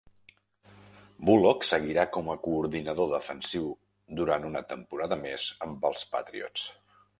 Bullough seguiria com a coordinador defensiu durant una temporada més amb els Patriots.